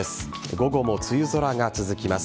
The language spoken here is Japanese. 午後も梅雨空が続きます。